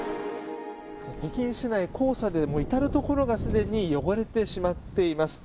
北京市内黄砂で至るところがすでに汚れてしまっています。